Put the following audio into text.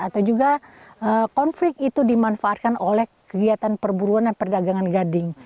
atau juga konflik itu dimanfaatkan oleh kegiatan perburuan dan perdagangan gading